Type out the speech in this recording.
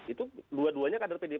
itu dua duanya kader pdip